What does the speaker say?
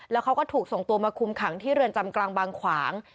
แล้วเขาก็ถูกส่งตัวมาคุมขังที่เรือนจำกลางบางขวาง